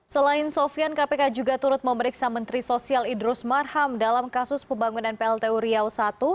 selain sofian kpk juga turut memeriksa menteri sosial idrus marham dalam kasus pembangunan plt uriau i